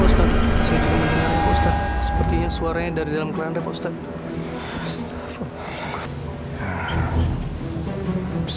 ustadz sepertinya suaranya dari dalam kelanderan ustadz